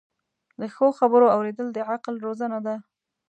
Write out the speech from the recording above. د ښو خبرو اوریدل د عقل روزنه ده.